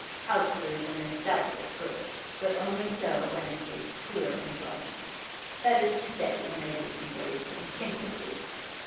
Altruism is doubtless good, but only so when it gives pure enjoyment; that is to say, when it is embraced instinctively.